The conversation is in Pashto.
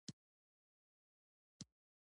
قلم د ښو تعبیرونو بنسټ دی